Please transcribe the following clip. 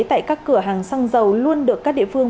tại các cửa hàng xăng dầu luôn được các địa phương